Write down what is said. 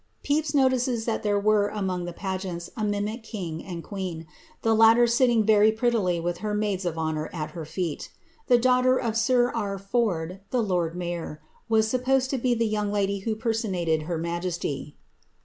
'' Pepys notices that there was among the pageants a mimic king and qoeen ; the latter sitting very prettily with her maids of honour at her feeL The daughter of sir R. Ford, the lord mayor, was supposed to be the young lady who personated her majesty.